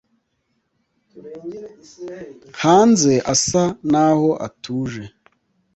hanze asa naho atuje